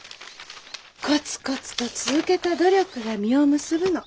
コツコツと続けた努力が実を結ぶの。